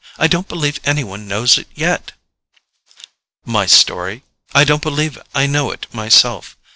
I don't believe any one knows it yet." "My story?—I don't believe I know it myself.